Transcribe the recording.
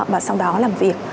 và sau đó làm việc